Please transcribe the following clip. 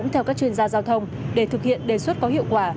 theo các chuyên gia giao thông để thực hiện đề xuất có hiệu quả